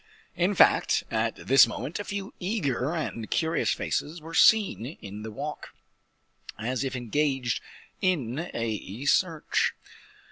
In fact, at this moment a few eager and curious faces were seen in the walk, as if engaged in a search.